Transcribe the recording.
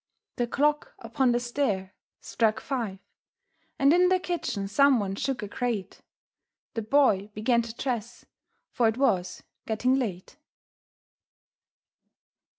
The clock upon the stair Struck five, and in the kitchen someone shook a grate. The Boy began to dress, for it was getting late.